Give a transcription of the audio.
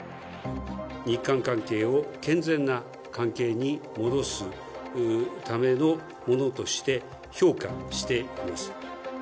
日韓関係を健全な関係に戻すためのものとして評価しています。